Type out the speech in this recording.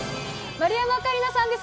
丸山桂里奈さんです。